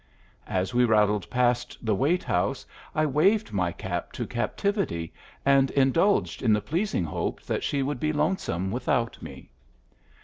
As we rattled past the Waite house I waved my cap to Captivity and indulged in the pleasing hope that she would be lonesome without me.